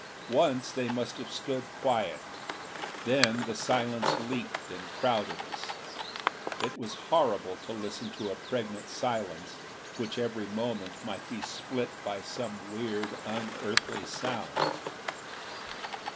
Once they must have stood quiet; then the silence leaped and crowded us. It is horrible to listen to a pregnant silence which every moment might be split by some weird unearthly sound.